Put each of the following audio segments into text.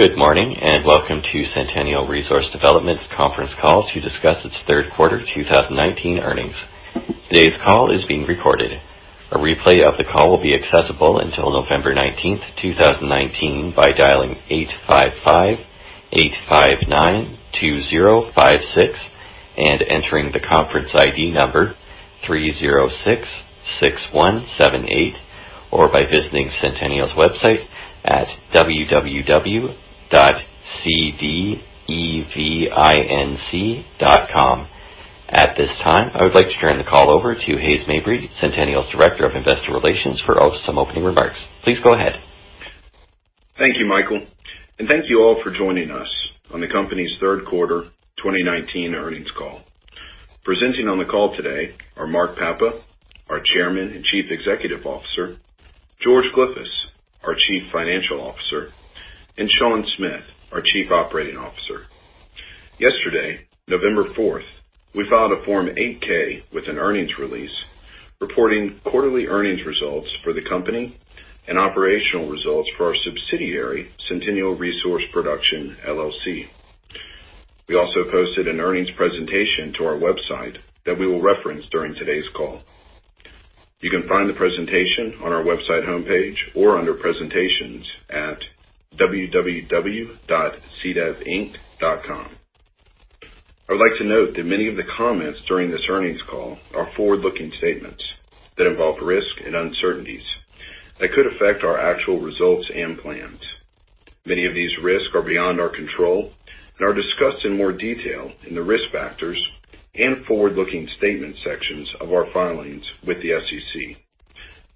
Good morning, and welcome to Centennial Resource Development's conference call to discuss its third quarter 2019 earnings. Today's call is being recorded. A replay of the call will be accessible until November 19th, 2019 by dialing 855-859-2056 and entering the conference ID number 3066178, or by visiting Centennial's website at www.cdevinc.com. At this time, I would like to turn the call over to Hays Mabry, Centennial's Director of Investor Relations, for some opening remarks. Please go ahead. Thank you, Michael, and thank you all for joining us on the company's third quarter 2019 earnings call. Presenting on the call today are Mark Papa, our Chairman and Chief Executive Officer, George Glyphis, our Chief Financial Officer, and Sean Smith, our Chief Operating Officer. Yesterday, November 4th, we filed a Form 8-K with an earnings release reporting quarterly earnings results for the company and operational results for our subsidiary, Centennial Resource Production, LLC. We also posted an earnings presentation to our website that we will reference during today's call. You can find the presentation on our website homepage or under presentations at www.cdevinc.com. I would like to note that many of the comments during this earnings call are forward-looking statements that involve risk and uncertainties that could affect our actual results and plans. Many of these risks are beyond our control and are discussed in more detail in the risk factors and forward-looking statement sections of our filings with the SEC,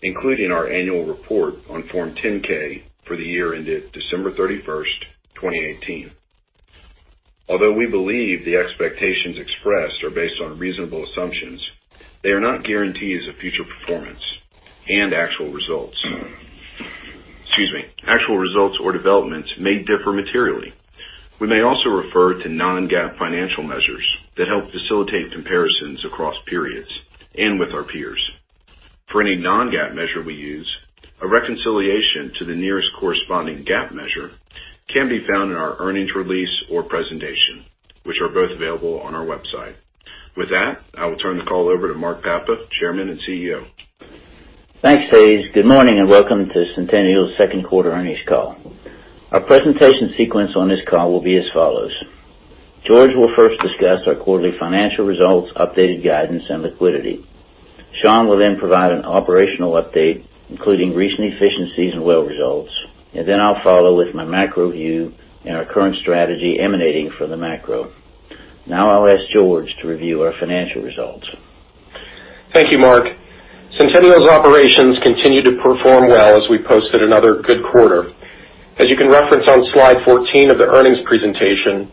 including our annual report on Form 10-K for the year ended December 31st, 2018. Although we believe the expectations expressed are based on reasonable assumptions, they are not guarantees of future performance and actual results. Excuse me. Actual results or developments may differ materially. We may also refer to non-GAAP financial measures that help facilitate comparisons across periods and with our peers. For any non-GAAP measure we use, a reconciliation to the nearest corresponding GAAP measure can be found in our earnings release or presentation, which are both available on our website. With that, I will turn the call over to Mark Papa, Chairman and CEO. Thanks, Hays. Good morning, and welcome to Centennial's second quarter earnings call. Our presentation sequence on this call will be as follows. George will first discuss our quarterly financial results, updated guidance, and liquidity. Sean will then provide an operational update, including recent efficiencies and well results, and then I'll follow with my macro view and our current strategy emanating from the macro. Now I'll ask George to review our financial results. Thank you, Mark. Centennial's operations continue to perform well as we posted another good quarter. As you can reference on slide 14 of the earnings presentation,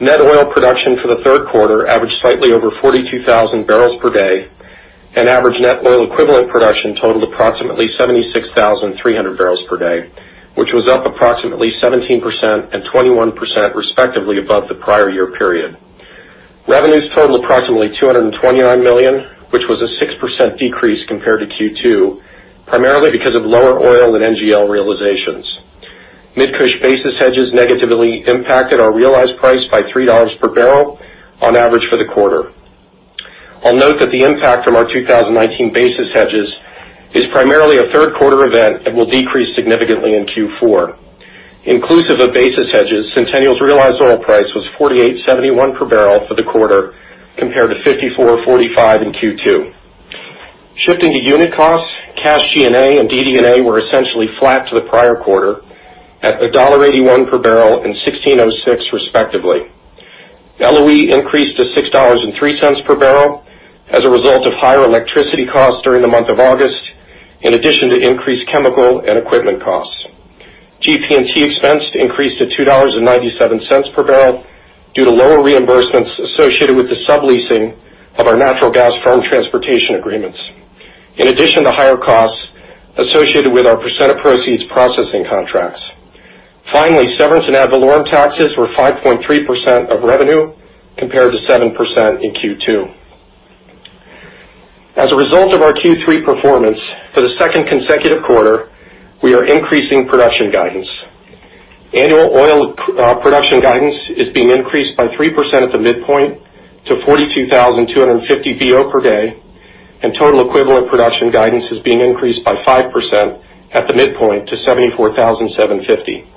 net oil production for the third quarter averaged slightly over 42,000 barrels per day, and average net oil equivalent production totaled approximately 76,300 barrels per day, which was up approximately 17% and 21% respectively above the prior year period. Revenues totaled approximately $229 million, which was a 6% decrease compared to Q2, primarily because of lower oil and NGL realizations. Midland-Cushing basis hedges negatively impacted our realized price by $3 per barrel on average for the quarter. I'll note that the impact from our 2019 basis hedges is primarily a third quarter event and will decrease significantly in Q4. Inclusive of basis hedges, Centennial's realized oil price was $48.71 per barrel for the quarter, compared to $54.45 in Q2. Shifting to unit costs, cash G&A and DD&A were essentially flat to the prior quarter at $1.81 per barrel and $16.06 respectively. LOE increased to $6.03 per barrel as a result of higher electricity costs during the month of August, in addition to increased chemical and equipment costs. GP&T expense increased to $2.97 per barrel due to lower reimbursements associated with the subleasing of our natural gas firm transportation agreements, in addition to higher costs associated with our percent of proceeds processing contracts. Finally, severance and ad valorem taxes were 5.3% of revenue compared to 7% in Q2. As a result of our Q3 performance, for the second consecutive quarter, we are increasing production guidance. Annual oil production guidance is being increased by 3% at the midpoint to 42,250 BO per day, and total equivalent production guidance is being increased by 5% at the midpoint to 74,750.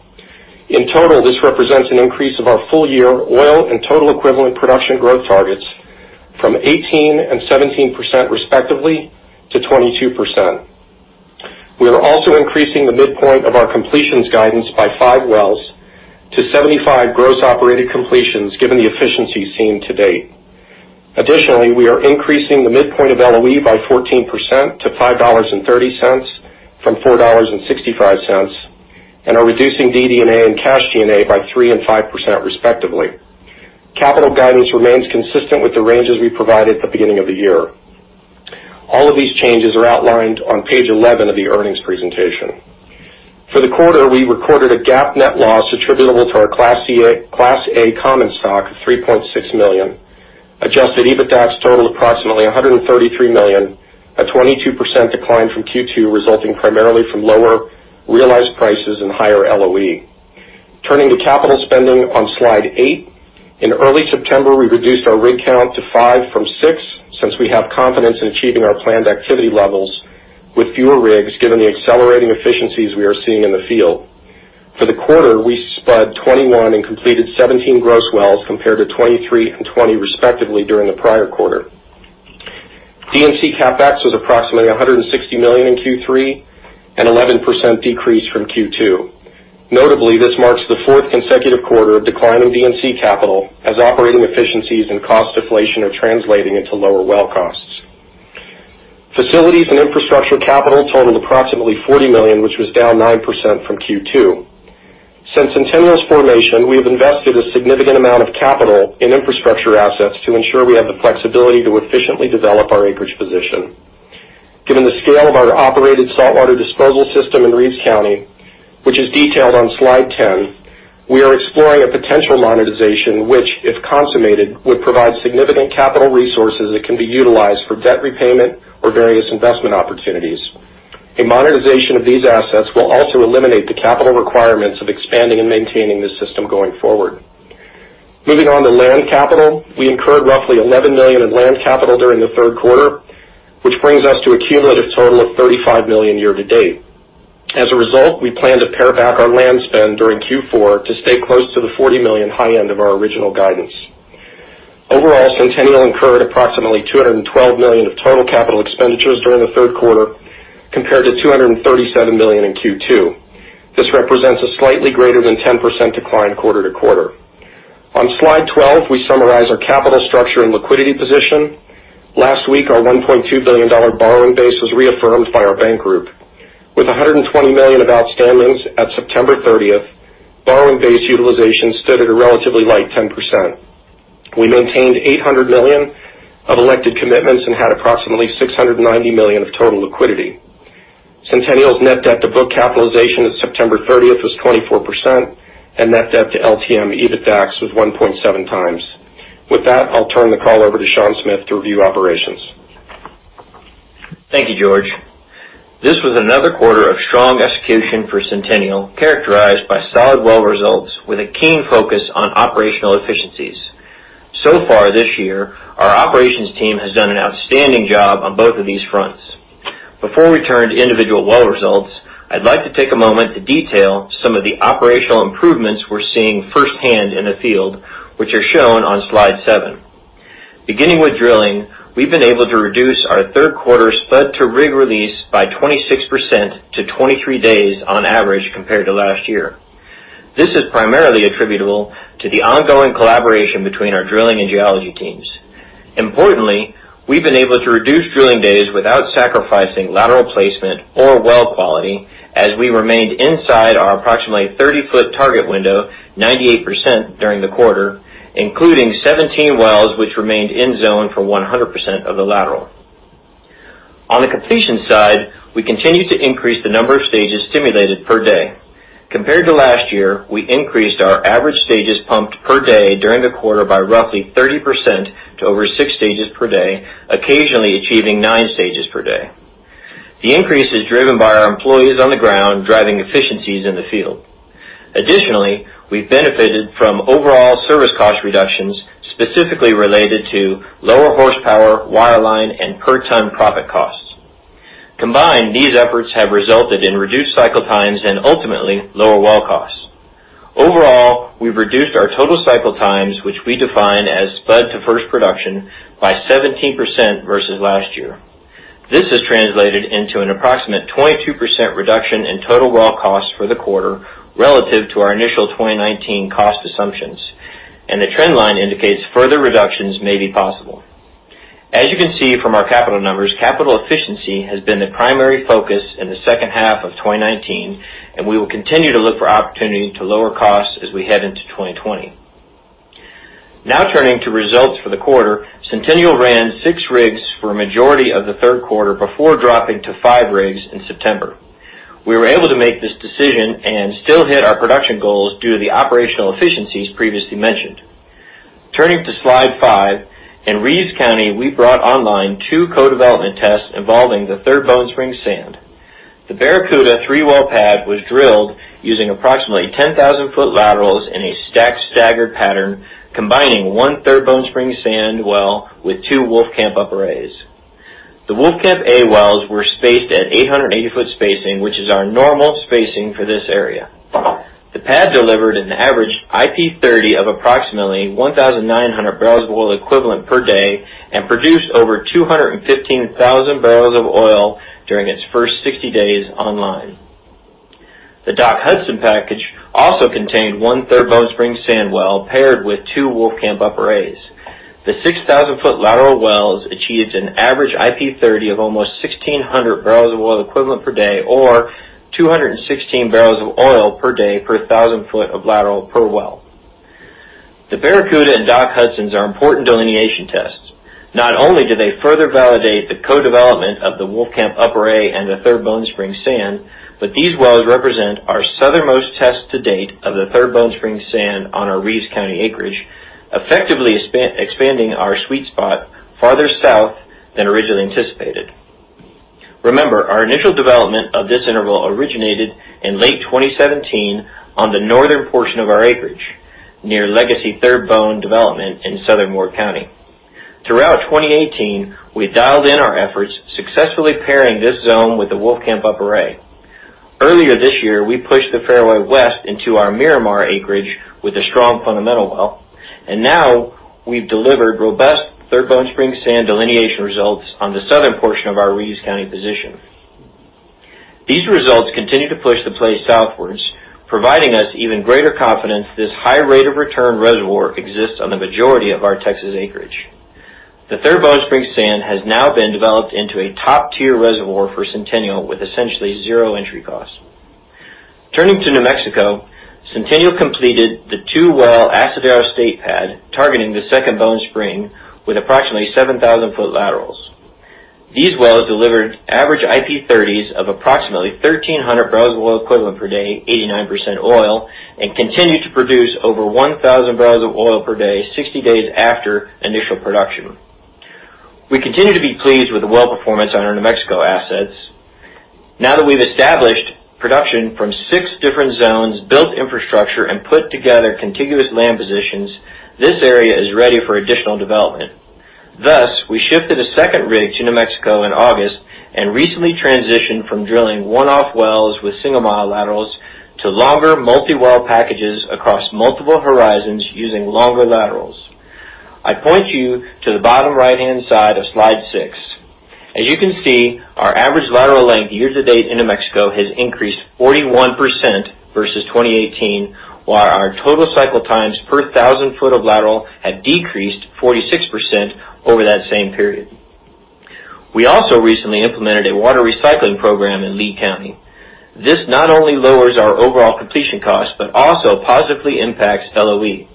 In total, this represents an increase of our full year oil and total equivalent production growth targets from 18% and 17% respectively to 22%. We are also increasing the midpoint of our completions guidance by five wells to 75 gross operated completions, given the efficiencies seen to date. Additionally, we are increasing the midpoint of LOE by 14% to $5.30 from $4.65, and are reducing DD&A and cash G&A by 3% and 5% respectively. Capital guidance remains consistent with the ranges we provided at the beginning of the year. All of these changes are outlined on page 11 of the earnings presentation. For the quarter, we recorded a GAAP net loss attributable to our Class A common stock of $3.6 million. Adjusted EBITDA's total approximately $133 million, a 22% decline from Q2, resulting primarily from lower realized prices and higher LOE. Turning to capital spending on slide eight. In early September, we reduced our rig count to five from six, since we have confidence in achieving our planned activity levels with fewer rigs, given the accelerating efficiencies we are seeing in the field. For the quarter, we spud 21 and completed 17 gross wells, compared to 23 and 20, respectively, during the prior quarter. D&C CapEx was approximately $160 million in Q3, an 11% decrease from Q2. Notably, this marks the fourth consecutive quarter of decline in D&C capital, as operating efficiencies and cost deflation are translating into lower well costs. Facilities and infrastructure capital totaled approximately $140 million, which was down 9% from Q2. Since Centennial's formation, we have invested a significant amount of capital in infrastructure assets to ensure we have the flexibility to efficiently develop our acreage position. Given the scale of our operated saltwater disposal system in Reeves County, which is detailed on slide 10, we are exploring a potential monetization, which, if consummated, would provide significant capital resources that can be utilized for debt repayment or various investment opportunities. A monetization of these assets will also eliminate the capital requirements of expanding and maintaining this system going forward. Moving on to land capital. We incurred roughly $11 million in land capital during the third quarter, which brings us to a cumulative total of $35 million year to date. As a result, we plan to pare back our land spend during Q4 to stay close to the $40 million high end of our original guidance. Overall, Centennial incurred approximately $212 million of total capital expenditures during the third quarter, compared to $237 million in Q2. This represents a slightly greater than 10% decline quarter-to-quarter. On slide 12, we summarize our capital structure and liquidity position. Last week, our $1.2 billion borrowing base was reaffirmed by our bank group. With $120 million of outstandings at September 30th, borrowing base utilization stood at a relatively light 10%. We maintained $800 million of elected commitments and had approximately $690 million of total liquidity. Centennial's net debt to book capitalization at September 30th was 24%, and net debt to LTM EBITDA was 1.7 times. With that, I'll turn the call over to Sean Smith to review operations. Thank you, George. This was another quarter of strong execution for Centennial, characterized by solid well results with a keen focus on operational efficiencies. Far this year, our operations team has done an outstanding job on both of these fronts. Before we turn to individual well results, I'd like to take a moment to detail some of the operational improvements we're seeing firsthand in the field, which are shown on slide seven. Beginning with drilling, we've been able to reduce our third quarter spud to rig release by 26% to 23 days on average, compared to last year. This is primarily attributable to the ongoing collaboration between our drilling and geology teams. Importantly, we've been able to reduce drilling days without sacrificing lateral placement or well quality, as we remained inside our approximately 30-foot target window 98% during the quarter, including 17 wells, which remained in zone for 100% of the lateral. On the completion side, we continue to increase the number of stages stimulated per day. Compared to last year, we increased our average stages pumped per day during the quarter by roughly 30% to over 6 stages per day, occasionally achieving 9 stages per day. The increase is driven by our employees on the ground driving efficiencies in the field. Additionally, we've benefited from overall service cost reductions, specifically related to lower horsepower, wireline, and per-ton proppant costs. Combined, these efforts have resulted in reduced cycle times and ultimately lower well costs. Overall, we've reduced our total cycle times, which we define as spud to first production, by 17% versus last year. This has translated into an approximate 22% reduction in total well costs for the quarter relative to our initial 2019 cost assumptions, and the trend line indicates further reductions may be possible. As you can see from our capital numbers, capital efficiency has been the primary focus in the second half of 2019, and we will continue to look for opportunity to lower costs as we head into 2020. Now turning to results for the quarter. Centennial ran six rigs for a majority of the third quarter before dropping to five rigs in September. We were able to make this decision and still hit our production goals due to the operational efficiencies previously mentioned. Turning to slide five. In Reeves County, we brought online two co-development tests involving the Third Bone Spring sand. The Barracuda three-well pad was drilled using approximately 10,000-foot laterals in a stacked staggered pattern, combining one Third Bone Spring sand well with two Wolfcamp upper A's. The Wolfcamp A wells were spaced at 880-foot spacing, which is our normal spacing for this area. The pad delivered an average IP 30 of approximately 1,900 barrels of oil equivalent per day and produced over 215,000 barrels of oil during its first 60 days online. The Doc Hudson package also contained one Third Bone Spring sand well paired with two Wolfcamp upper A's. The 6,000-foot lateral wells achieved an average IP 30 of almost 1,600 barrels of oil equivalent per day or 216 barrels of oil per day per 1,000 foot of lateral per well. The Barracuda and Doc Hudsons are important delineation tests. Not only do they further validate the co-development of the Wolfcamp Upper A and the Third Bone Spring sand, but these wells represent our southernmost test to date of the Third Bone Spring sand on our Reeves County acreage, effectively expanding our sweet spot farther south than originally anticipated. Remember, our initial development of this interval originated in late 2017 on the northern portion of our acreage, near legacy Third Bone development in Southern Loving County. Throughout 2018, we dialed in our efforts, successfully pairing this zone with the Wolfcamp Upper A. Earlier this year, we pushed the fairway west into our Miramar acreage with a strong fundamental well, and now we've delivered robust Third Bone Spring sand delineation results on the southern portion of our Reeves County position. These results continue to push the play southwards, providing us even greater confidence this high rate of return reservoir exists on the majority of our Texas acreage. The Third Bone Spring sand has now been developed into a top-tier reservoir for Centennial with essentially zero entry cost. Turning to New Mexico, Centennial completed the two-well Asadero State pad, targeting the Second Bone Spring with approximately 7,000-foot laterals. These wells delivered average IP 30s of approximately 1,300 barrels of oil equivalent per day, 89% oil, and continue to produce over 1,000 barrels of oil per day, 60 days after initial production. We continue to be pleased with the well performance on our New Mexico assets. Now that we've established production from six different zones, built infrastructure, and put together contiguous land positions, this area is ready for additional development. Thus, we shifted a second rig to New Mexico in August and recently transitioned from drilling one-off wells with single-mile laterals to longer multi-well packages across multiple horizons using longer laterals. I point you to the bottom right-hand side of slide six. As you can see, our average lateral length year to date in New Mexico has increased 41% versus 2018, while our total cycle times per thousand foot of lateral have decreased 46% over that same period. We also recently implemented a water recycling program in Lea County. This not only lowers our overall completion cost but also positively impacts LOE.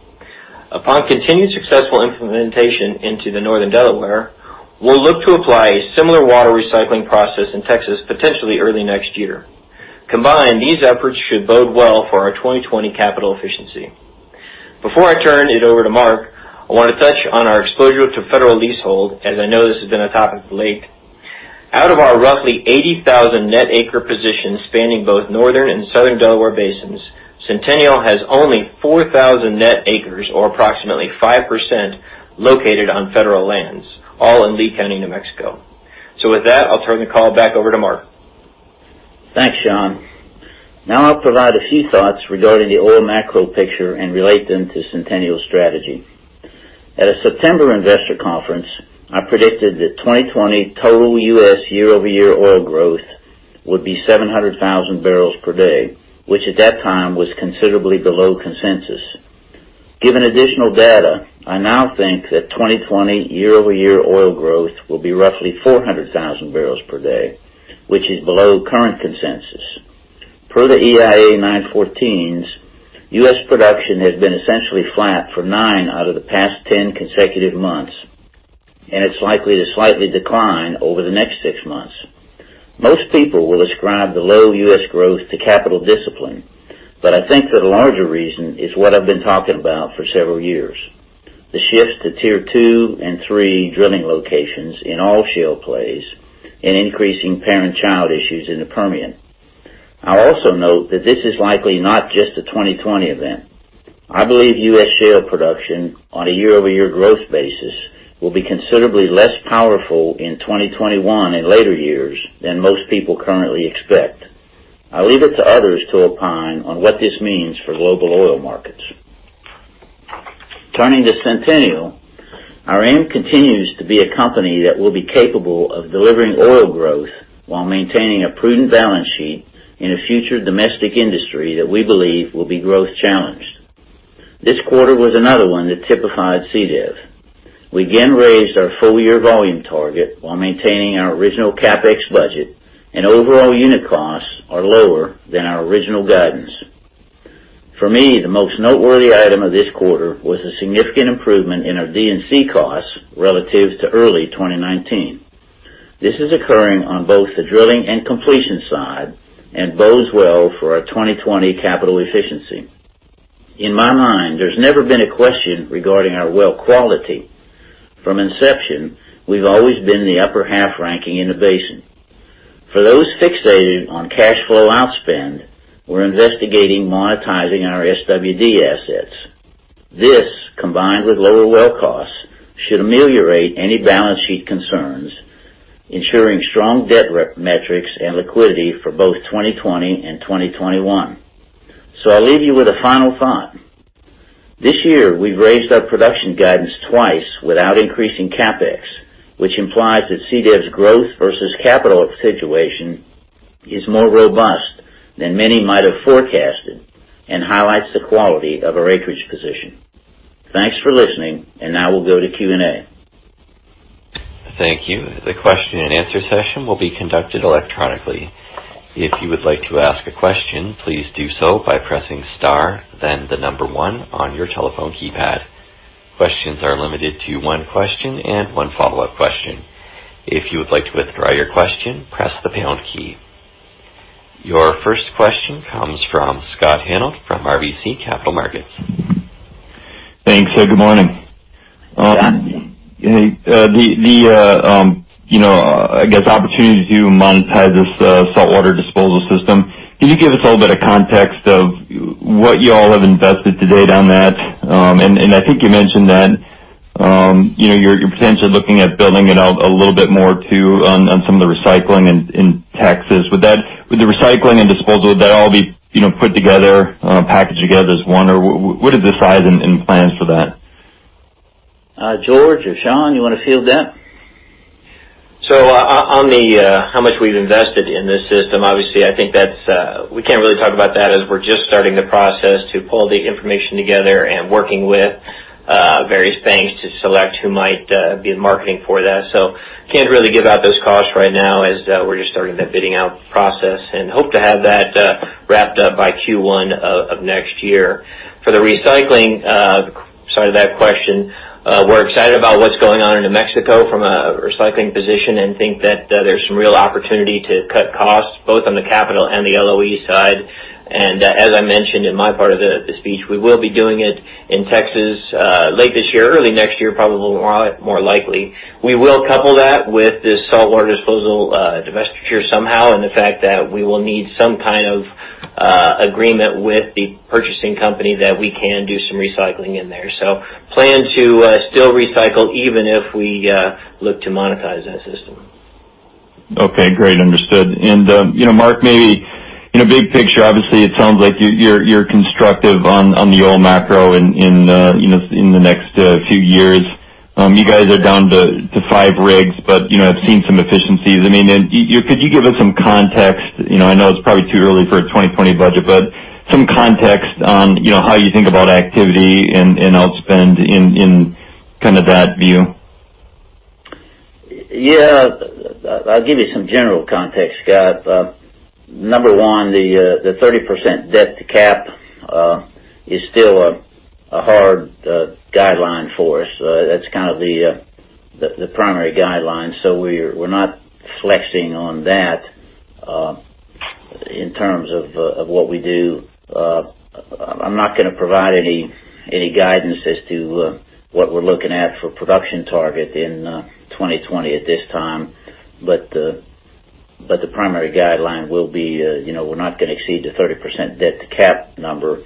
Upon continued successful implementation into the Northern Delaware, we'll look to apply a similar water recycling process in Texas potentially early next year. Combined, these efforts should bode well for our 2020 capital efficiency. Before I turn it over to Mark, I want to touch on our exposure to federal leasehold, as I know this has been a topic of late. Out of our roughly 80,000 net acre position spanning both Northern and Southern Delaware basins, Centennial has only 4,000 net acres or approximately 5% located on federal lands, all in Lea County, New Mexico. With that, I'll turn the call back over to Mark. Thanks, Sean. Now I'll provide a few thoughts regarding the oil macro picture and relate them to Centennial's strategy. At a September investor conference, I predicted that 2020 total U.S. year-over-year oil growth would be 700,000 barrels per day, which at that time was considerably below consensus. Given additional data, I now think that 2020 year-over-year oil growth will be roughly 400,000 barrels per day, which is below current consensus. Per the EIA-914s, U.S. production has been essentially flat for nine out of the past 10 consecutive months, and it's likely to slightly decline over the next six months. Most people will ascribe the low U.S. growth to capital discipline, but I think the larger reason is what I've been talking about for several years. The shift to tier 2 and 3 drilling locations in all shale plays and increasing parent-child issues in the Permian. I'll also note that this is likely not just a 2020 event. I believe U.S. shale production on a year-over-year growth basis will be considerably less powerful in 2021 and later years than most people currently expect. I'll leave it to others to opine on what this means for global oil markets. Turning to Centennial, our aim continues to be a company that will be capable of delivering oil growth while maintaining a prudent balance sheet in a future domestic industry that we believe will be growth challenged. This quarter was another one that typified CDEV. We again raised our full year volume target while maintaining our original CapEx budget, and overall unit costs are lower than our original guidance. For me, the most noteworthy item of this quarter was a significant improvement in our D&C costs relative to early 2019. This is occurring on both the drilling and completion side, and bodes well for our 2020 capital efficiency. In my mind, there's never been a question regarding our well quality. From inception, we've always been the upper half ranking in the basin. For those fixated on cash flow outspend, we're investigating monetizing our SWD assets. This, combined with lower well costs, should ameliorate any balance sheet concerns, ensuring strong debt metrics and liquidity for both 2020 and 2021. I'll leave you with a final thought. This year, we've raised our production guidance twice without increasing CapEx, which implies that CDEV's growth versus capital situation is more robust than many might have forecasted and highlights the quality of our acreage position. Thanks for listening. Now we'll go to Q&A. Thank you. The question-and-answer session will be conducted electronically. If you would like to ask a question, please do so by pressing star then the number one on your telephone keypad. Questions are limited to one question and one follow-up question. If you would like to withdraw your question, press the pound key. Your first question comes from Scott Hanold from RBC Capital Markets. Thanks. Good morning. Yeah. I guess opportunity to monetize this saltwater disposal system, can you give us a little bit of context of what you all have invested to date on that? I think you mentioned that you're potentially looking at building it out a little bit more too on some of the recycling in Texas. Would the recycling and disposal, would that all be put together, packaged together as one, or what are the size and plans for that? George or Sean, you want to field that? On how much we've invested in this system, obviously, I think we can't really talk about that as we're just starting the process to pull the information together and working with various banks to select who might be in marketing for that. Can't really give out those costs right now as we're just starting that bidding out process, and hope to have that wrapped up by Q1 of next year. For the recycling side of that question, we're excited about what's going on in New Mexico from a recycling position and think that there's some real opportunity to cut costs both on the capital and the LOE side. As I mentioned in my part of the speech, we will be doing it in Texas late this year, early next year, probably more likely. We will couple that with this saltwater disposal divestiture somehow, and the fact that we will need some kind of agreement with the purchasing company that we can do some recycling in there. Plan to still recycle even if we look to monetize that system. Okay, great. Understood. Mark, maybe in a big picture, obviously, it sounds like you're constructive on the oil macro in the next few years. You guys are down to five rigs. I've seen some efficiencies. Could you give us some context? I know it's probably too early for a 2020 budget. Some context on how you think about activity and outspend in that view. Yeah. I'll give you some general context, Scott. Number one, the 30% debt-to-cap is still a hard guideline for us. That's the primary guideline, so we're not flexing on that in terms of what we do. I'm not going to provide any guidance as to what we're looking at for production target in 2020 at this time. The primary guideline will be we're not going to exceed the 30% debt-to-cap number.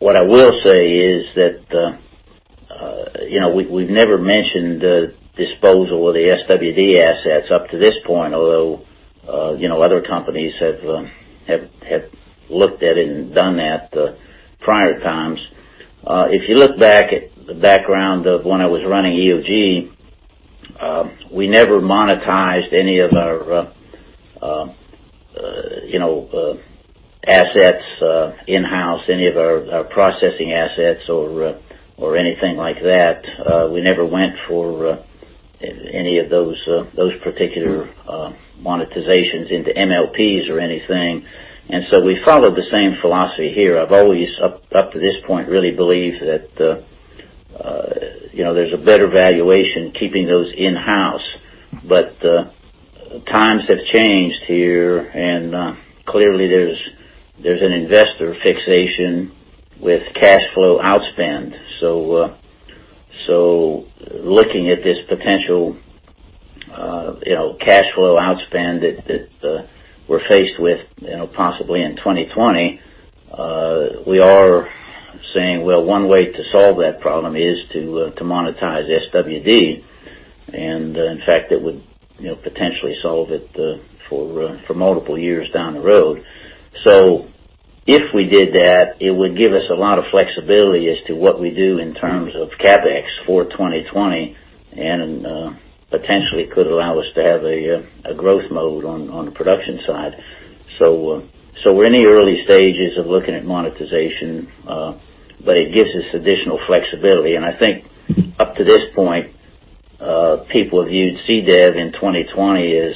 What I will say is that we've never mentioned disposal of the SWD assets up to this point, although other companies have looked at it and done that prior times. If you look back at the background of when I was running EOG, we never monetized any of our assets in-house, any of our processing assets or anything like that. We never went for any of those particular monetizations into MLPs or anything. We followed the same philosophy here. I've always, up to this point, really believed that there's a better valuation keeping those in-house. Times have changed here, and clearly, there's an investor fixation with cash flow outspend. Looking at this potential cash flow outspend that we're faced with possibly in 2020, we are saying, well, one way to solve that problem is to monetize SWD. In fact, it would potentially solve it for multiple years down the road. If we did that, it would give us a lot of flexibility as to what we do in terms of CapEx for 2020, and potentially could allow us to have a growth mode on the production side. We're in the early stages of looking at monetization, but it gives us additional flexibility. I think up to this point, people have viewed CDEV in 2020 as,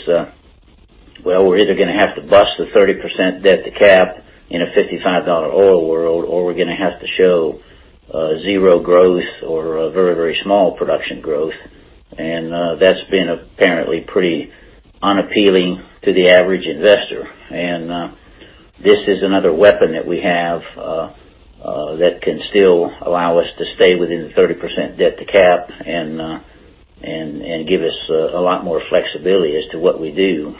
well, we're either going to have to bust the 30% debt-to-cap in a $55 oil world, or we're going to have to show zero growth or a very, very small production growth. That's been apparently pretty unappealing to the average investor. This is another weapon that we have that can still allow us to stay within the 30% debt-to-cap and give us a lot more flexibility as to what we do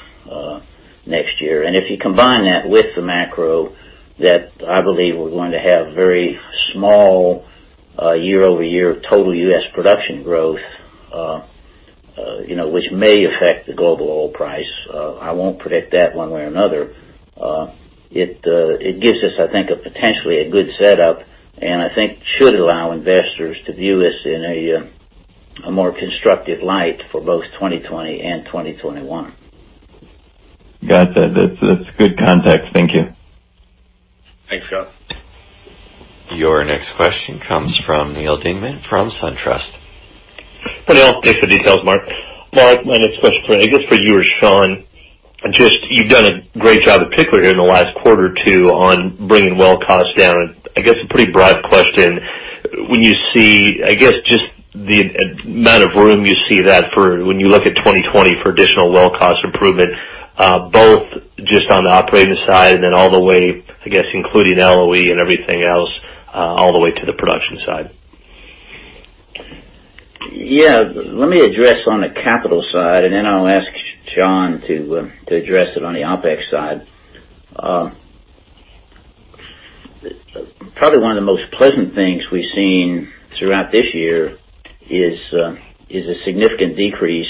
next year. If you combine that with the macro, that I believe we're going to have very small year-over-year total U.S. production growth, which may affect the global oil price. I won't predict that one way or another. It gives us, I think, potentially a good setup, and I think should allow investors to view us in a more constructive light for both 2020 and 2021. Got that. That's good context. Thank you. Thanks, Scott. Your next question comes from Neal Dingmann from SunTrust. I'll take the details, Mark. Mark, my next question, I guess, for you or Sean, you've done a great job, particularly in the last quarter or two, on bringing well costs down, and I guess a pretty broad question, when you see, I guess, just the amount of room you see that for when you look at 2020 for additional well cost improvement, both just on the operating side and then all the way, I guess, including LOE and everything else, all the way to the production side. Let me address on the CapEx side, then I'll ask Sean to address it on the OpEx side. Probably one of the most pleasant things we've seen throughout this year is a significant decrease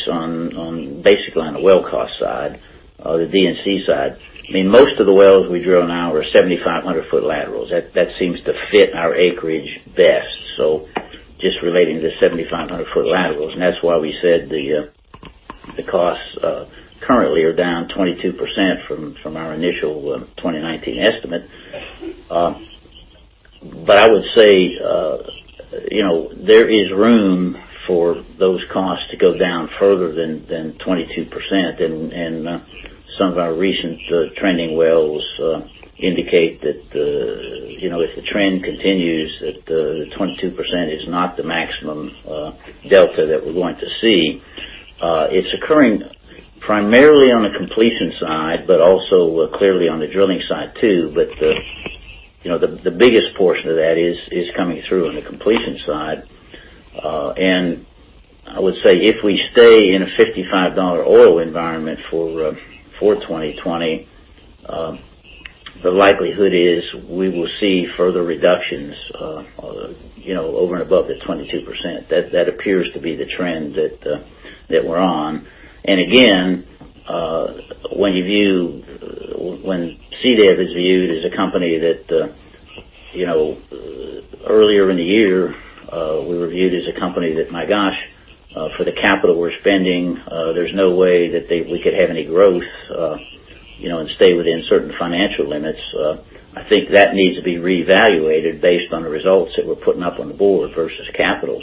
basically on the well cost side, the D&C side. Most of the wells we drill now are 7,500 foot laterals. That seems to fit our acreage best. Just relating to the 7,500 foot laterals, that's why we said the costs currently are down 22% from our initial 2019 estimate. I would say, there is room for those costs to go down further than 22%, some of our recent trending wells indicate that if the trend continues, the 22% is not the maximum delta that we're going to see. It's occurring primarily on the completion side, also clearly on the drilling side, too. The biggest portion of that is coming through on the completion side. I would say, if we stay in a $55 oil environment for 2020, the likelihood is we will see further reductions over and above the 22%. That appears to be the trend that we're on. Again, when CDEV is viewed as a company that earlier in the year, we were viewed as a company that, my gosh, for the capital we're spending, there's no way that we could have any growth, and stay within certain financial limits. I think that needs to be reevaluated based on the results that we're putting up on the board versus capital.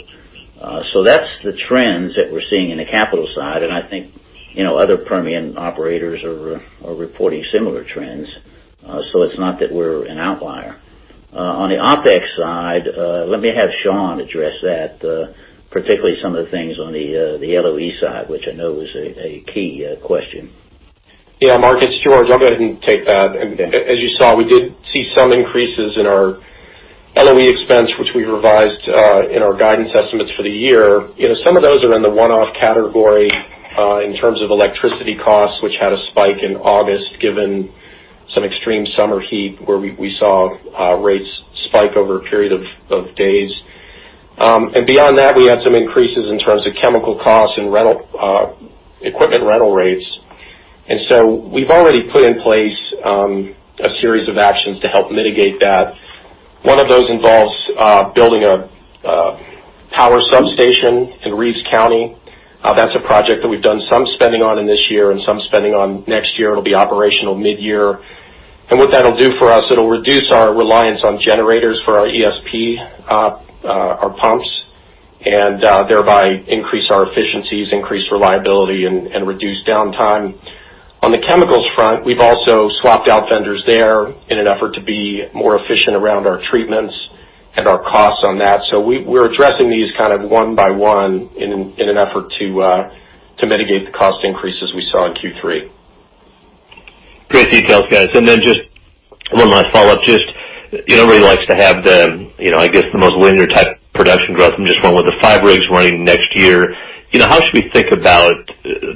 That's the trends that we're seeing in the capital side, and I think other Permian operators are reporting similar trends. It's not that we're an outlier. On the OpEx side, let me have Sean address that, particularly some of the things on the LOE side, which I know is a key question. Yeah, Mark, it's George. I'll go ahead and take that. As you saw, we did see some increases in our LOE expense, which we revised in our guidance estimates for the year. Some of those are in the one-off category, in terms of electricity costs, which had a spike in August, given some extreme summer heat where we saw rates spike over a period of days. Beyond that, we had some increases in terms of chemical costs and equipment rental rates. So we've already put in place a series of actions to help mitigate that. One of those involves building a power substation in Reeves County. That's a project that we've done some spending on in this year and some spending on next year. It'll be operational mid-year. What that'll do for us, it'll reduce our reliance on generators for our ESP, our pumps, and thereby increase our efficiencies, increase reliability, and reduce downtime. On the chemicals front, we've also swapped out vendors there in an effort to be more efficient around our treatments and our costs on that. We're addressing these one by one in an effort to mitigate the cost increases we saw in Q3. Great details, guys. Just one last follow-up, just everybody likes to have the, I guess, the most linear type production growth and just going with the five rigs running next year. How should we think about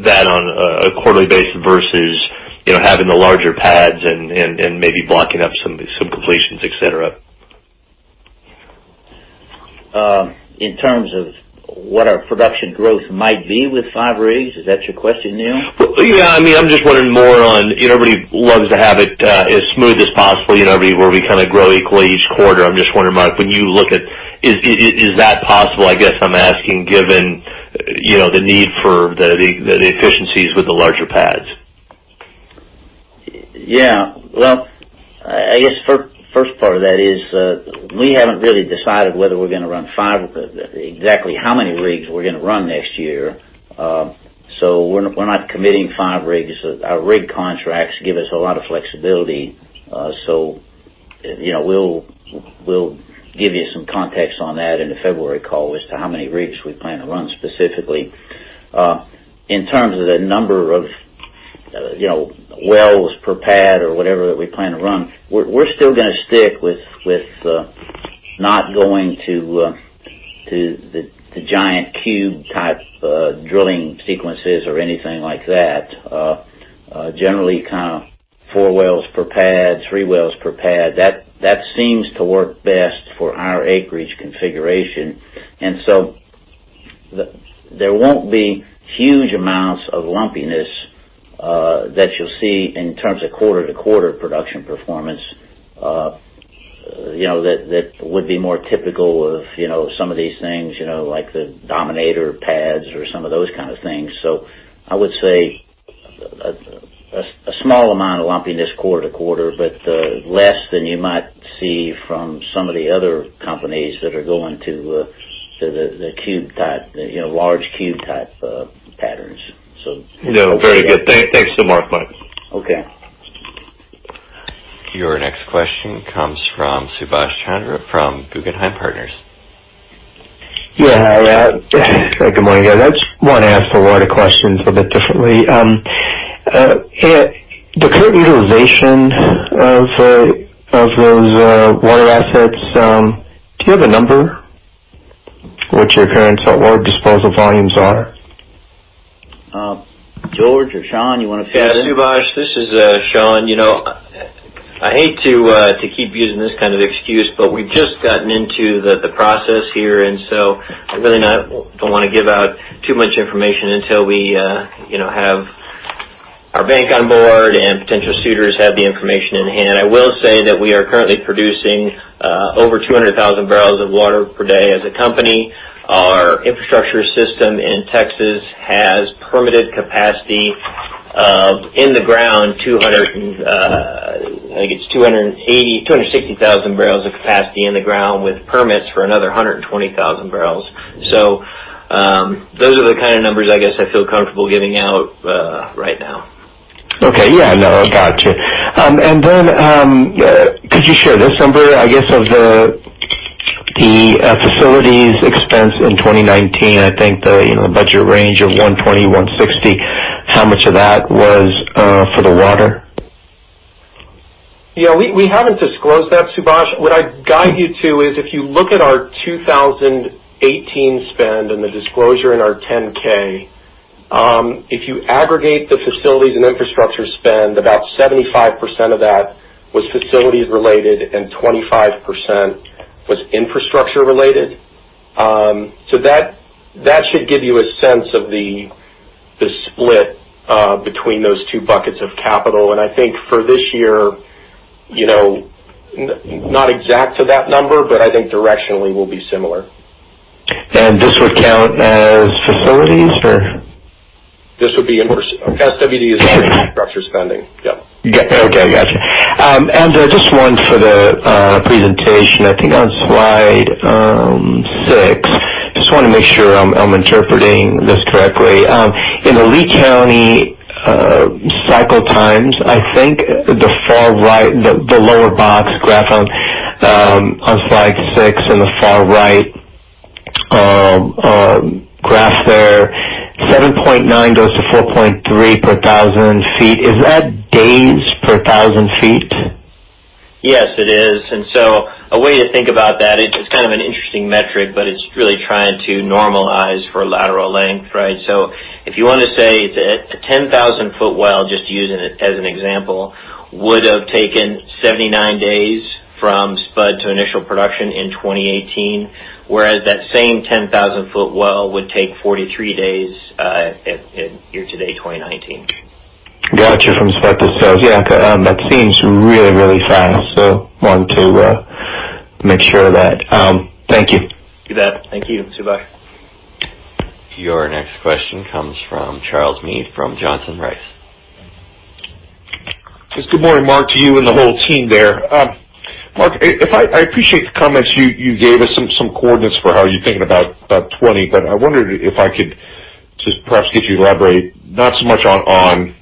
that on a quarterly basis versus having the larger pads and maybe blocking up some completions, et cetera? In terms of what our production growth might be with five rigs? Is that your question, Neal? Yeah. I'm just wondering more on, everybody loves to have it as smooth as possible, where we grow equally each quarter. I'm just wondering, Mark, when you look at it, is that possible, I guess I'm asking, given the need for the efficiencies with the larger pads? Yeah. Well, I guess first part of that is, we haven't really decided whether we're going to run five, exactly how many rigs we're going to run next year. We're not committing five rigs. Our rig contracts give us a lot of flexibility. We'll give you some context on that in the February call as to how many rigs we plan to run specifically. In terms of the number of wells per pad or whatever that we plan to run, we're still going to stick with not going to the giant cube type drilling sequences or anything like that. Generally, four wells per pad, three wells per pad. That seems to work best for our acreage configuration. There won't be huge amounts of lumpiness that you'll see in terms of quarter-to-quarter production performance that would be more typical of some of these things, like the Dominator pads or some of those kind of things. I would say a small amount of lumpiness quarter-to-quarter, but less than you might see from some of the other companies that are going to the large cube-type patterns. No, very good. Thanks. Thanks so much, Mark. Okay. Your next question comes from Subash Chandra from Guggenheim Partners. Good morning, guys. I just want to ask a lot of questions a bit differently. The current utilization of those water assets, do you have a number what your current saltwater disposal volumes are? George or Sean, you want to field this? Subash, this is Sean. I hate to keep using this kind of excuse, but we've just gotten into the process here, and so I really don't want to give out too much information until we have our bank on board and potential suitors have the information in hand. I will say that we are currently producing over 200,000 barrels of water per day as a company. Our infrastructure system in Texas has permitted capacity of, in the ground, I think it's 260,000 barrels of capacity in the ground with permits for another 120,000 barrels. Those are the kind of numbers I guess I feel comfortable giving out right now. Okay. Yeah. No, gotcha. Then could you share this number, I guess, of the facilities expense in 2019? I think the budget range of $120-$160, how much of that was for the water? Yeah. We haven't disclosed that, Subash. What I'd guide you to is if you look at our 2018 spend and the disclosure in our 10K, if you aggregate the facilities and infrastructure spend, about 75% of that was facilities related, and 25% was infrastructure related. That should give you a sense of the split between those two buckets of capital. I think for this year, not exact to that number, but I think directionally will be similar. This would count as facilities or? This would be infrastructure. SWD is for infrastructure spending. Yeah. Okay. Gotcha. Just one for the presentation. I think on slide six, just want to make sure I'm interpreting this correctly. In the Lea County cycle times, I think the lower box graph on slide six in the far right graph there, 7.9 goes to 4.3 per 1,000 feet. Is that days per 1,000 feet? Yes, it is. A way to think about that, it's an interesting metric, but it's really trying to normalize for lateral length, right? If you want to say that a 10,000-foot well, just using it as an example, would've taken 79 days from spud to initial production in 2018, whereas that same 10,000-foot well would take 43 days year to date 2019. Gotcha. From spud to sales. Yeah. That seems really fast. I wanted to make sure of that. Thank you. You bet. Thank you, Subash. Your next question comes from Charles Meade from Johnson Rice. Yes. Good morning, Mark, to you, and the whole team there. Mark, I appreciate the comments. You gave us some coordinates for how you're thinking about 2020. I wondered if I could just perhaps get you to elaborate, not so much on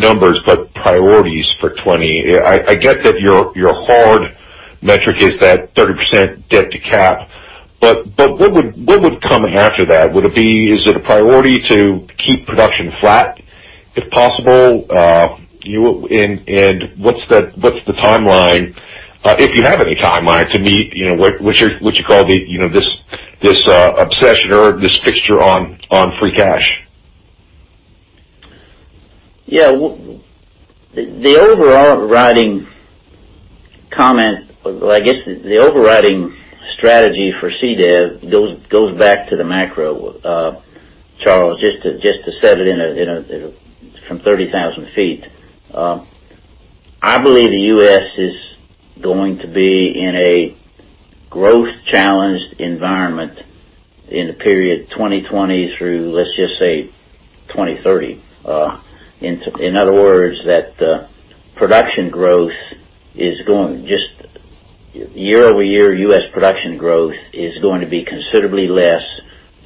numbers, but priorities for 2020. I get that your hard metric is that 30% debt to cap. What would come after that? Is it a priority to keep production flat if possible? What's the timeline, if you have any timeline, to meet what you call this obsession or this fixture on free cash? Yeah. The overriding comment, or I guess the overriding strategy for CDEV goes back to the macro, Charles, just to set it from 30,000 feet. I believe the U.S. is going to be in a growth-challenged environment in the period 2020 through, let's just say, 2030. In other words, that year-over-year U.S. production growth is going to be considerably less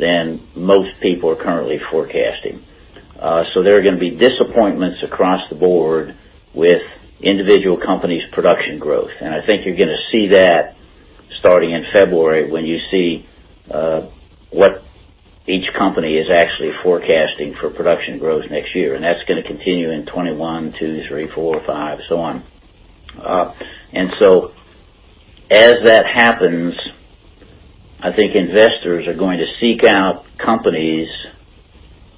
than most people are currently forecasting. There are going to be disappointments across the board with individual companies' production growth. I think you're going to see that starting in February when you see what each company is actually forecasting for production growth next year. That's going to continue in 2021, 2022, 2023, 2024, 2025, so on. As that happens, I think investors are going to seek out companies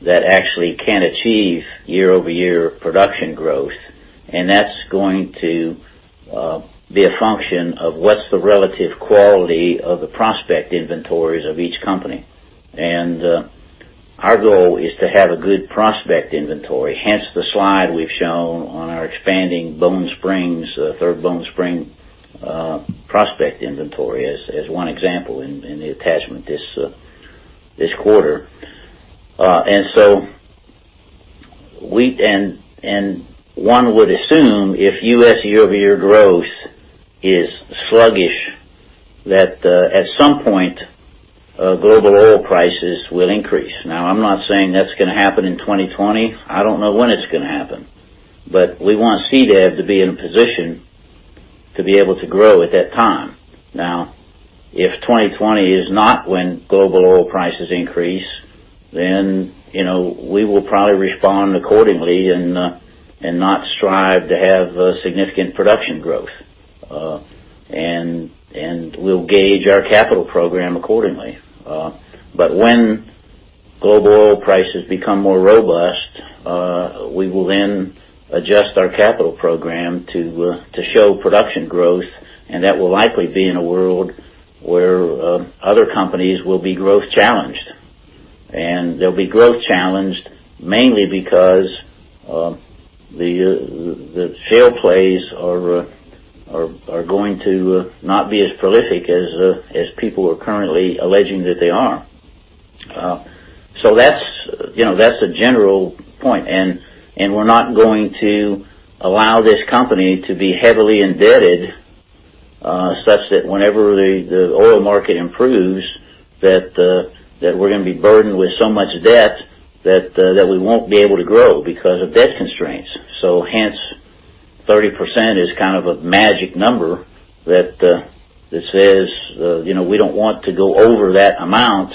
that actually can achieve year-over-year production growth. That's going to be a function of what's the relative quality of the prospect inventories of each company. Our goal is to have a good prospect inventory, hence the slide we've shown on our expanding Third Bone Spring prospect inventory as one example in the attachment this quarter. One would assume if U.S. year-over-year growth is sluggish, that at some point, global oil prices will increase. Now, I'm not saying that's going to happen in 2020. I don't know when it's going to happen. We want CDEV to be in a position to be able to grow at that time. Now, if 2020 is not when global oil prices increase, then we will probably respond accordingly and not strive to have significant production growth. We'll gauge our capital program accordingly. When global oil prices become more robust, we will then adjust our capital program to show production growth, and that will likely be in a world where other companies will be growth challenged. They'll be growth challenged mainly because the shale plays are going to not be as prolific as people are currently alleging that they are. That's the general point, and we're not going to allow this company to be heavily indebted, such that whenever the oil market improves, that we're going to be burdened with so much debt that we won't be able to grow because of debt constraints. Hence, 30% is kind of a magic number that says, we don't want to go over that amount.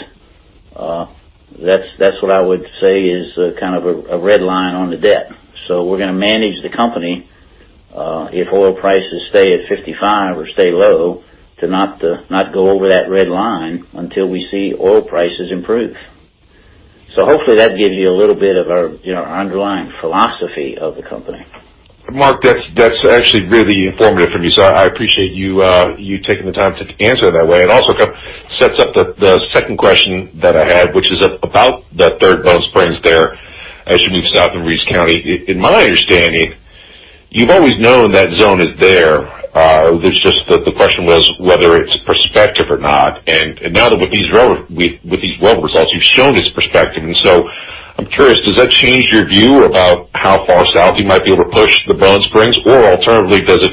That's what I would say is kind of a red line on the debt. We're going to manage the company, if oil prices stay at $55 or stay low, to not go over that red line until we see oil prices improve. Hopefully that gives you a little bit of our underlying philosophy of the company. Mark, that's actually really informative for me. I appreciate you taking the time to answer that way. It also kind of sets up the second question that I had, which is about that Third Bone Spring there, as you move south in Reeves County. In my understanding, you've always known that zone is there. It's just that the question was whether it's prospective or not. Now with these well results, you've shown it's prospective, I'm curious, does that change your view about how far south you might be able to push the Bone Spring? Alternatively, does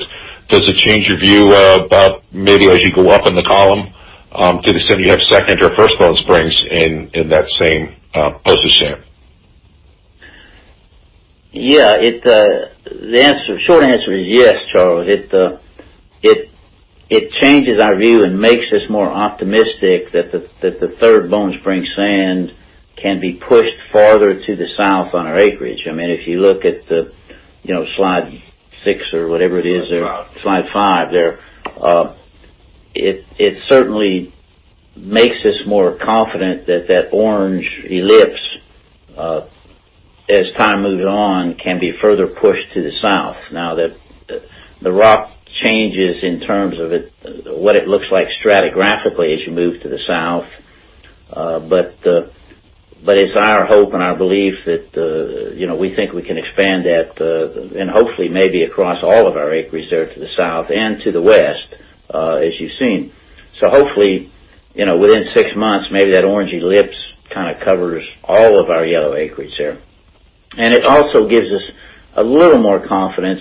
it change your view about maybe as you go up in the column, to the extent you have Second Bone Spring or First Bone Spring in that same prospective area? Yeah. The short answer is yes, Charles. It changes our view and makes us more optimistic that the Third Bone Spring sand can be pushed farther to the south on our acreage. If you look at slide six or whatever it is there. Five slide five there. It certainly makes us more confident that that orange ellipse, as time moves on, can be further pushed to the south. The rock changes in terms of what it looks like stratigraphically as you move to the south. It's our hope and our belief that we think we can expand that, and hopefully maybe across all of our acreage there to the south and to the west, as you've seen. Hopefully, within six months, maybe that orange ellipse kind of covers all of our yellow acreage there. It also gives us a little more confidence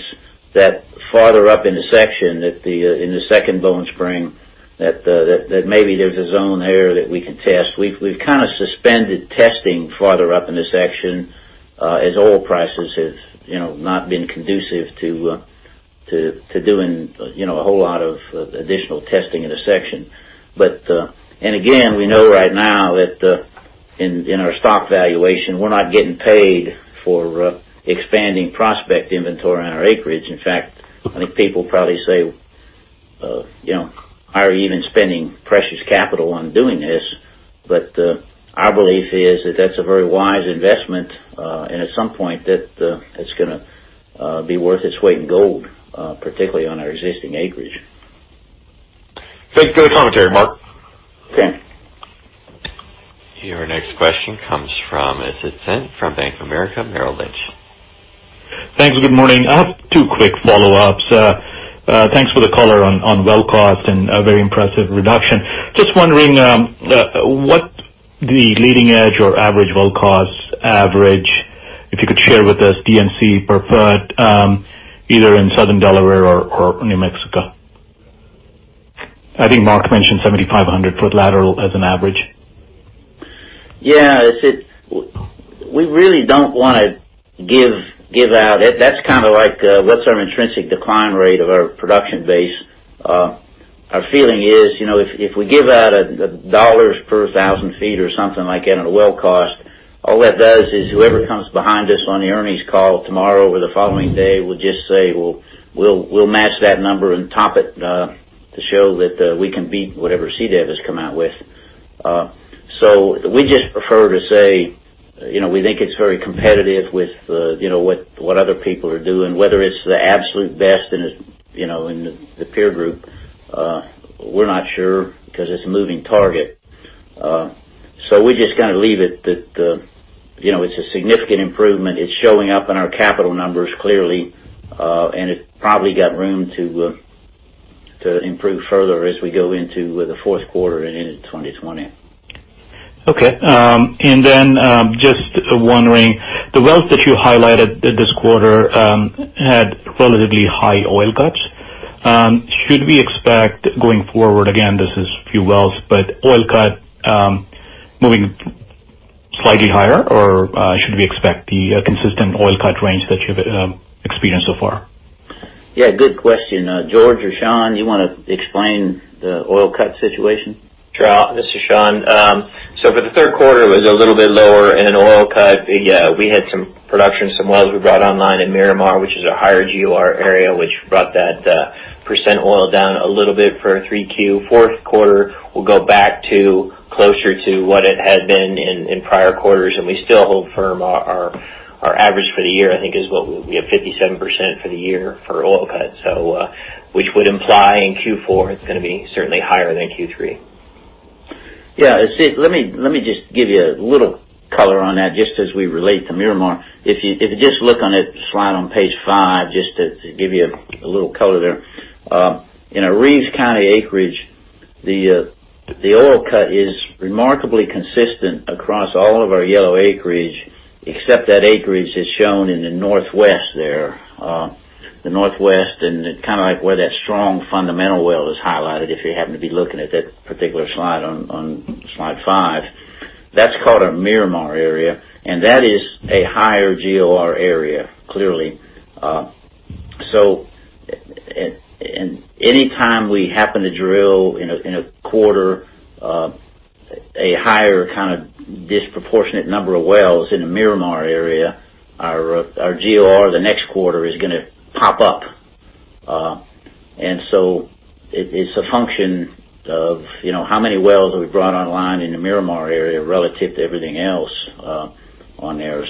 that farther up in the section, in the Second Bone Spring, that maybe there's a zone there that we can test. We've kind of suspended testing farther up in the section as oil prices have not been conducive to doing a whole lot of additional testing in the section. Again, we know right now that in our stock valuation, we're not getting paid for expanding prospect inventory on our acreage. In fact, I think people probably say, are you even spending precious capital on doing this? Our belief is that that's a very wise investment, and at some point, that it's gonna be worth its weight in gold, particularly on our existing acreage. Good commentary, Mark. Okay. Your next question comes from Bank of America Merrill Lynch. Thanks. Good morning. I have two quick follow-ups. Thanks for the color on well cost and a very impressive reduction. Just wondering what the leading edge or average well cost average, if you could share with us, D&C preferred, either in Southern Delaware or New Mexico. I think Mark mentioned 7,500-foot lateral as an average. Yeah. We really don't want to give out. That's kind of like, what's our intrinsic decline rate of our production base? Our feeling is, if we give out $ per 1,000 feet or something like that on a well cost, all that does is whoever comes behind us on the earnings call tomorrow or the following day will just say, "We'll match that number and top it to show that we can beat whatever CDEV has come out with." We just prefer to say, we think it's very competitive with what other people are doing. Whether it's the absolute best in the peer group, we're not sure, because it's a moving target. We just gotta leave it that it's a significant improvement. It's showing up in our capital numbers, clearly. It probably got room to improve further as we go into the fourth quarter and into 2020. Okay. Just wondering, the wells that you highlighted this quarter had relatively high oil cuts. Should we expect going forward, again, this is few wells, but oil cut moving slightly higher, or should we expect the consistent oil cut range that you've experienced so far? Yeah, good question. George or Sean, you want to explain the oil cut situation? Sure. This is Sean. For the third quarter, it was a little bit lower in oil cut. We had some production, some wells we brought online in Miramar, which is a higher GOR area, which brought that percent oil down a little bit for 3Q. Fourth quarter will go back to closer to what it had been in prior quarters, and we still hold firm our average for the year, I think is what will be at 57% for the year for oil cut. Which would imply in Q4 it's going to be certainly higher than Q3. Let me just give you a little color on that just as we relate to Miramar. If you just look on that slide on page five, just to give you a little color there. In Reeves County acreage, the oil cut is remarkably consistent across all of our yellow acreage, except that acreage is shown in the northwest there. The northwest and kind of like where that strong fundamental well is highlighted, if you happen to be looking at that particular slide on slide five. That's called a Miramar area, that is a higher GOR area, clearly. Anytime we happen to drill in a quarter, a higher kind of disproportionate number of wells in the Miramar area, our GOR the next quarter is going to pop up. It's a function of how many wells we've brought online in the Miramar area relative to everything else on there.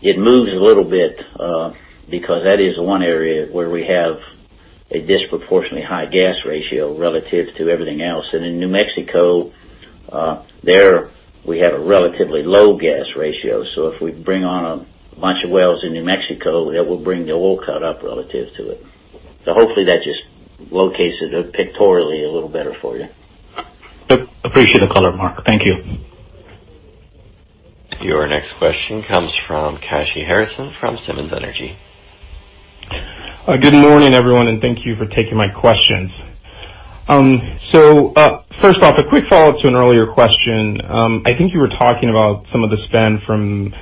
It moves a little bit, because that is the one area where we have a disproportionately high gas ratio relative to everything else. In New Mexico, there we have a relatively low gas ratio. If we bring on a bunch of wells in New Mexico, it will bring the oil cut up relative to it. Hopefully that just locates it pictorially a little better for you. Appreciate the color, Mark. Thank you. Your next question comes from Kashy Harrison from Simmons Energy. Good morning, everyone, and thank you for taking my questions. First off, a quick follow-up to an earlier question. I think you were talking about some of the spend from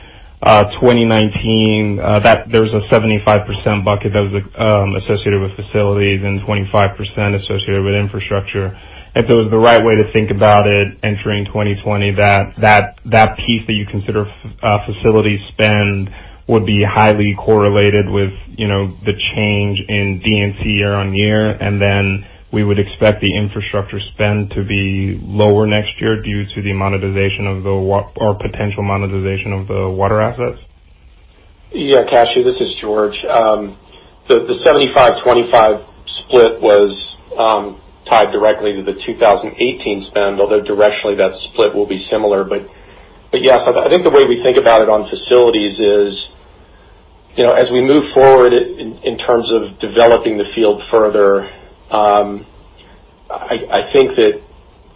2019, that there was a 75% bucket that was associated with facilities and 25% associated with infrastructure. If it was the right way to think about it entering 2020, that piece that you consider facility spend would be highly correlated with the change in D&C year on year, and then we would expect the infrastructure spend to be lower next year due to the monetization of the or potential monetization of the water assets? Yeah, Kashy, this is George. The 75/25 split was tied directly to the 2018 spend, although directionally that split will be similar. Yes, I think the way we think about it on facilities is, as we move forward in terms of developing the field further, I think that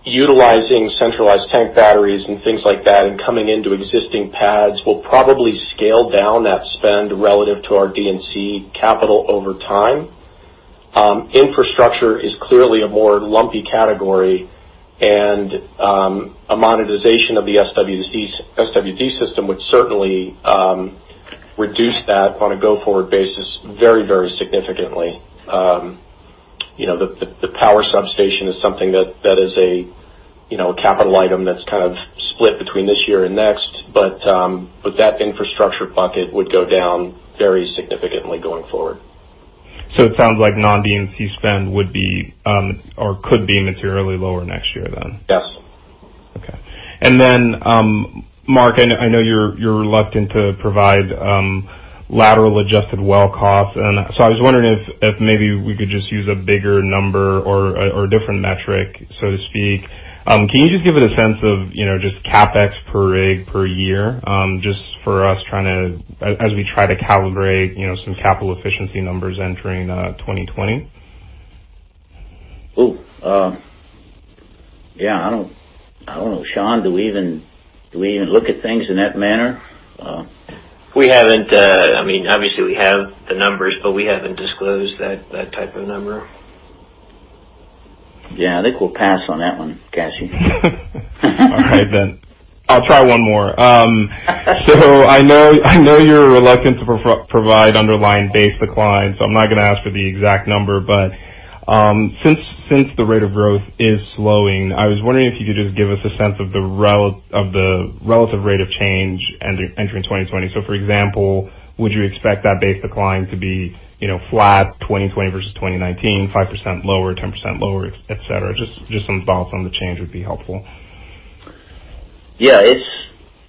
utilizing centralized tank batteries and things like that and coming into existing pads will probably scale down that spend relative to our D&C capital over time. Infrastructure is clearly a more lumpy category, and a monetization of the SWD system would certainly reduce that on a go-forward basis very, very significantly. The power substation is something that is a capital item that's kind of split between this year and next. That infrastructure bucket would go down very significantly going forward. It sounds like non-D&C spend would be or could be materially lower next year then? Yes. Okay. Mark, I know you're reluctant to provide lateral adjusted well costs. I was wondering if maybe we could just use a bigger number or a different metric, so to speak. Can you just give us a sense of just CapEx per rig per year? As we try to calibrate some capital efficiency numbers entering 2020. Oh. Yeah, I don't know. Sean, do we even look at things in that manner? I mean, obviously we have the numbers, but we haven't disclosed that type of number. Yeah, I think we'll pass on that one, Kashy. All right. I'll try one more. I know you're reluctant to provide underlying base decline, so I'm not going to ask for the exact number. Since the rate of growth is slowing, I was wondering if you could just give us a sense of the relative rate of change entering 2020. For example, would you expect that base decline to be flat 2020 versus 2019, 5% lower, 10% lower, et cetera? Just some thoughts on the change would be helpful. Yeah.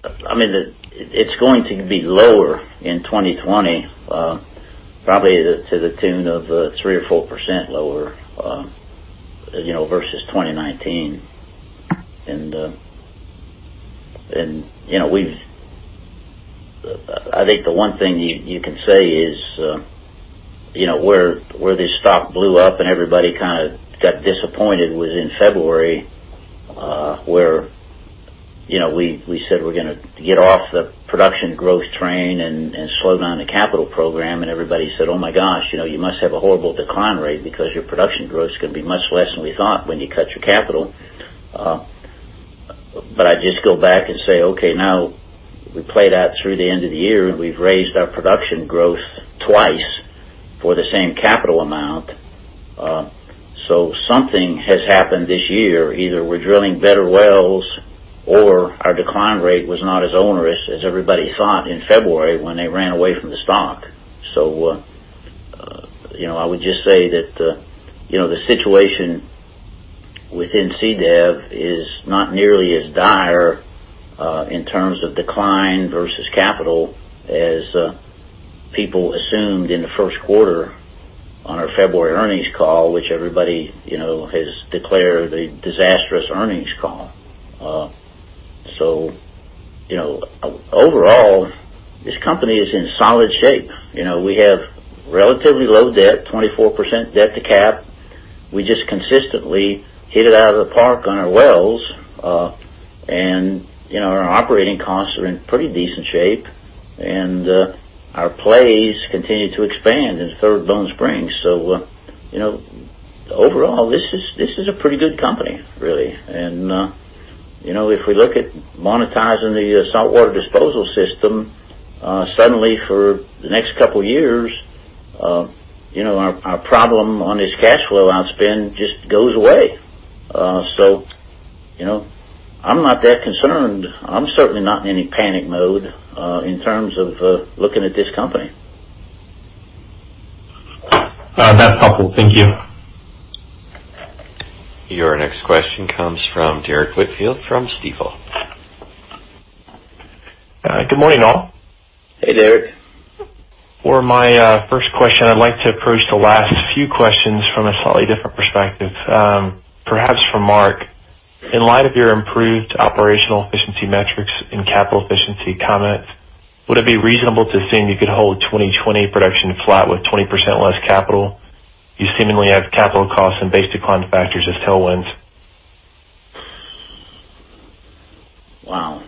It's going to be lower in 2020, probably to the tune of 3% or 4% lower versus 2019. I think the one thing you can say is, where this stock blew up and everybody got disappointed was in February, where we said we're going to get off the production growth train and slow down the capital program, everybody said, "Oh my gosh, you must have a horrible decline rate because your production growth is going to be much less than we thought when you cut your capital." I just go back and say, okay, now we play that through the end of the year, we've raised our production growth twice for the same capital amount. Something has happened this year. Either we're drilling better wells or our decline rate was not as onerous as everybody thought in February when they ran away from the stock. I would just say that, the situation within CDEV is not nearly as dire, in terms of decline versus capital, as people assumed in the first quarter on our February earnings call, which everybody has declared a disastrous earnings call. Overall, this company is in solid shape. We have relatively low debt, 24% debt to cap. We just consistently hit it out of the park on our wells. Our operating costs are in pretty decent shape. Our plays continue to expand in Third Bone Spring. Overall, this is a pretty good company, really. If we look at monetizing the saltwater disposal system, suddenly for the next couple of years, our problem on this cash flow outspend just goes away. I'm not that concerned. I'm certainly not in any panic mode, in terms of looking at this company. That's helpful. Thank you. Your next question comes from Derrick Whitfield from Stifel. Good morning, all. Hey, Derrick. For my first question, I'd like to approach the last few questions from a slightly different perspective. Perhaps for Mark, in light of your improved operational efficiency metrics and capital efficiency comments, would it be reasonable to assume you could hold 2020 production flat with 20% less capital? You seemingly have capital costs and base decline factors as tailwinds. Wow.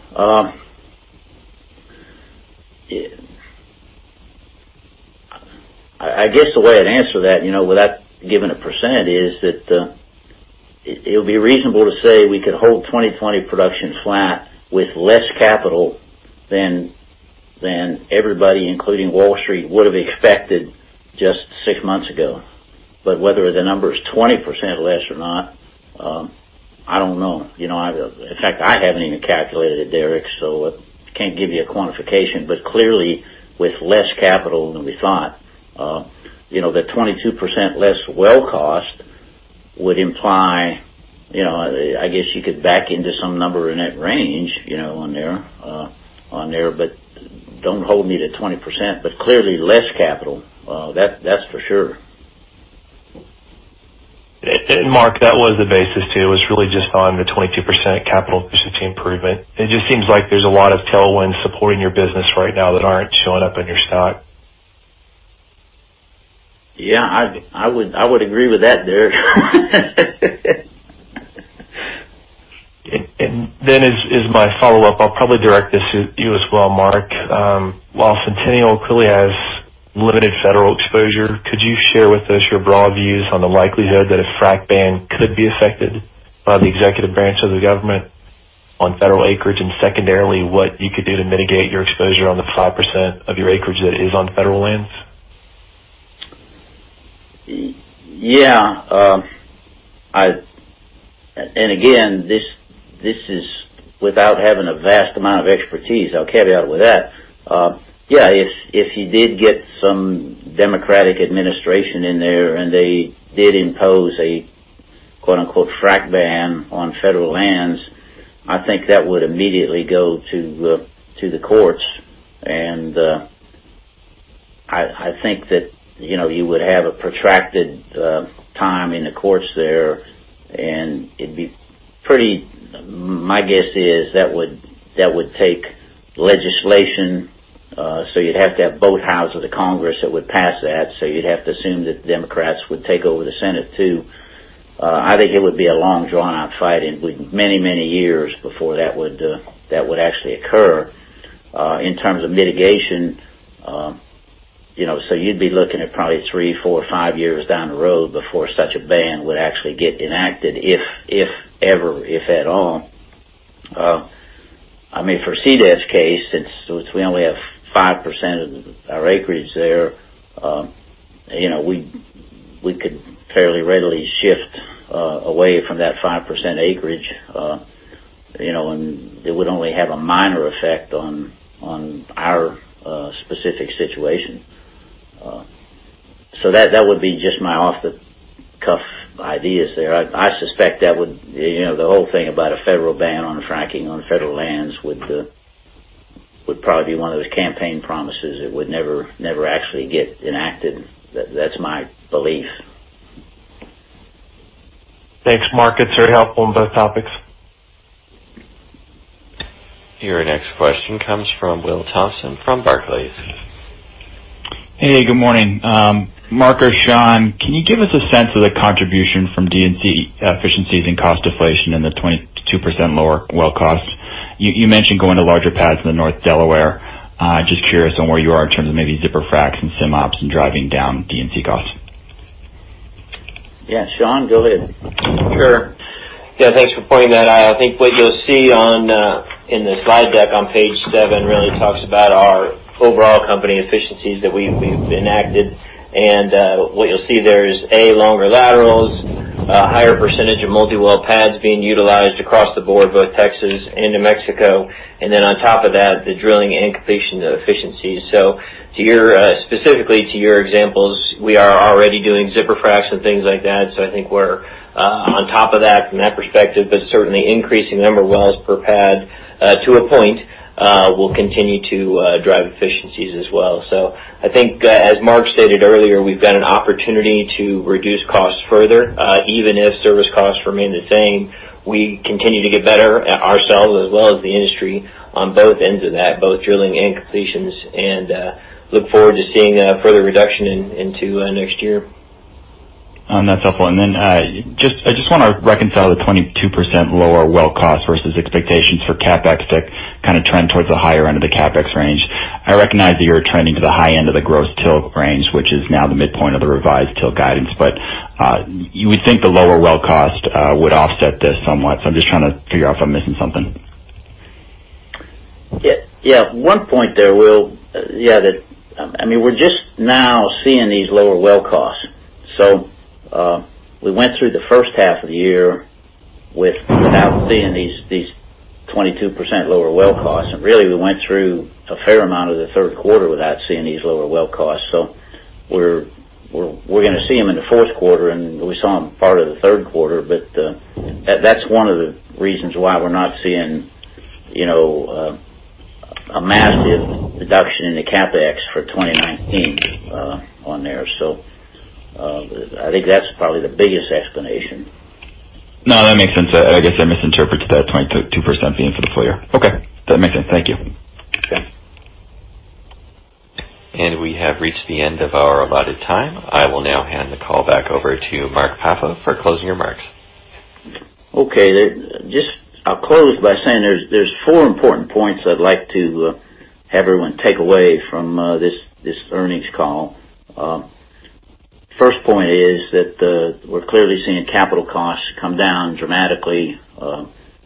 I guess the way I'd answer that, without giving a percent, is that it would be reasonable to say we could hold 2020 production flat with less capital than everybody, including Wall Street, would've expected just six months ago. Whether the number is 20% less or not, I don't know. In fact, I haven't even calculated it, Derrick, so can't give you a quantification. Clearly with less capital than we thought, the 22% less well cost would imply, I guess you could back into some number in that range, on there. Don't hold me to 20%, but clearly less capital. That's for sure. Mark, that was the basis too, was really just on the 22% capital efficiency improvement. It just seems like there's a lot of tailwinds supporting your business right now that aren't showing up in your stock. Yeah. I would agree with that, Derrick. As my follow-up, I'll probably direct this to you as well, Mark. While Centennial clearly has limited federal exposure, could you share with us your broad views on the likelihood that a frack ban could be affected by the executive branch of the government on federal acreage, and secondarily, what you could do to mitigate your exposure on the 5% of your acreage that is on federal lands? Yeah. Again, this is without having a vast amount of expertise. I'll caveat with that. Yeah, if you did get some Democratic administration in there, and they did impose a, quote-unquote, frack ban on federal lands, I think that would immediately go to the courts. I think that you would have a protracted time in the courts there, and my guess is that would take legislation. You'd have to have both houses of the Congress that would pass that. You'd have to assume that the Democrats would take over the Senate, too. I think it would be a long, drawn-out fight and would be many years before that would actually occur. In terms of mitigation, so you'd be looking at probably three, four or five years down the road before such a ban would actually get enacted, if ever, if at all. For CDEV's case, since we only have 5% of our acreage there, we could fairly readily shift away from that 5% acreage, it would only have a minor effect on our specific situation. That would be just my off-the-cuff ideas there. I suspect the whole thing about a federal ban on fracking on federal lands would probably be one of those campaign promises that would never actually get enacted. That's my belief. Thanks, Mark. It's very helpful on both topics. Your next question comes from Will Thompson from Barclays. Hey, good morning. Mark or Sean, can you give us a sense of the contribution from D&C efficiencies and cost deflation in the 22% lower well costs? You mentioned going to larger pads in the North Delaware. Just curious on where you are in terms of maybe zipper fracs and sim ops in driving down D&C costs? Yeah, Sean, go ahead. Sure. Yeah, thanks for pointing that out. I think what you'll see in the slide deck on page seven really talks about our overall company efficiencies that we've enacted. What you'll see there is, A, longer laterals, a higher percentage of multi-well pads being utilized across the board, both Texas and New Mexico. Then on top of that, the drilling and completion efficiencies. Specifically to your examples, we are already doing zipper fracs and things like that, so I think we're on top of that from that perspective. Certainly increasing the number of wells per pad, to a point, will continue to drive efficiencies as well. I think as Mark stated earlier, we've got an opportunity to reduce costs further. Even if service costs remain the same, we continue to get better ourselves as well as the industry on both ends of that, both drilling and completions, and look forward to seeing further reduction into next year. That's helpful. I just want to reconcile the 22% lower well cost versus expectations for CapEx to trend towards the higher end of the CapEx range. I recognize that you're trending to the high end of the gross tilt range, which is now the midpoint of the revised tilt guidance. You would think the lower well cost would offset this somewhat, so I'm just trying to figure out if I'm missing something. Yeah. One point there, Will. We're just now seeing these lower well costs. We went through the first half of the year without seeing these 22% lower well costs, and really we went through a fair amount of the third quarter without seeing these lower well costs. We're going to see them in the fourth quarter, and we saw them part of the third quarter. That's one of the reasons why we're not seeing a massive reduction in the CapEx for 2019 on there. I think that's probably the biggest explanation. No, that makes sense. I guess I misinterpreted that 22% being for the full year. Okay. That makes sense. Thank you. Okay. We have reached the end of our allotted time. I will now hand the call back over to Mark Papa for closing remarks. Okay. I'll close by saying there's four important points I'd like to have everyone take away from this earnings call. First point is that we're clearly seeing capital costs come down dramatically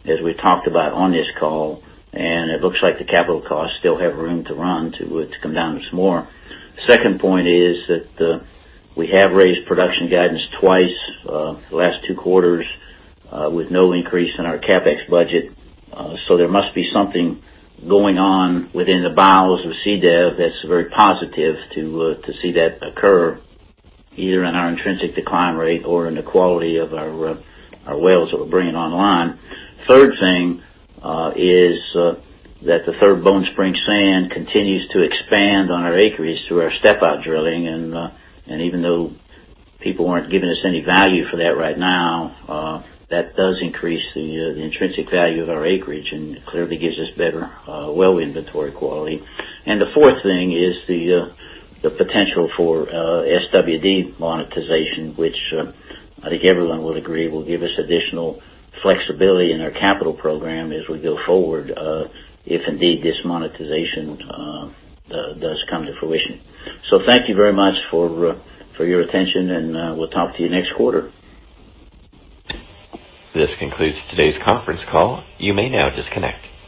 as we talked about on this call, and it looks like the capital costs still have room to run, to come down some more. Second point is that we have raised production guidance twice the last two quarters with no increase in our CapEx budget. There must be something going on within the bowels of CDEV that's very positive to see that occur, either in our intrinsic decline rate or in the quality of our wells that we're bringing online. Third thing is that the Third Bone Spring sand continues to expand on our acreage through our step-out drilling. Even though people aren't giving us any value for that right now, that does increase the intrinsic value of our acreage and clearly gives us better well inventory quality. The fourth thing is the potential for SWD monetization, which I think everyone would agree will give us additional flexibility in our capital program as we go forward, if indeed this monetization does come to fruition. Thank you very much for your attention, and we'll talk to you next quarter. This concludes today's conference call. You may now disconnect.